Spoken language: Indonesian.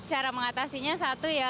cara mengatasinya satu ya